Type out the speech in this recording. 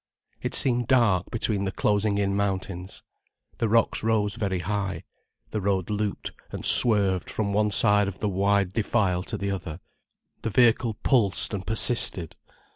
It seemed dark between the closing in mountains. The rocks rose very high, the road looped and swerved from one side of the wide defile to the other, the vehicle pulsed and persisted.